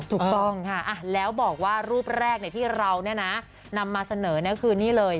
ถูกต้องค่ะแล้วบอกว่ารูปแรกที่เรานำมาเสนอคือนี่เลย